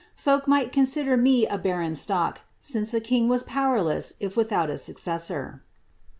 fo;i. mighi consider me a barren stock, since a king was powerlew if kiiIhiu: a successor."